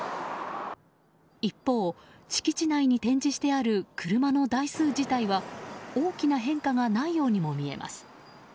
一方、敷地内に展示してある車の台数自体は大きな変化がないようにも見えます。